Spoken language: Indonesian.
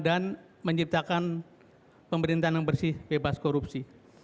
dan menciptakan pemerintahan yang bersih bebas korupsi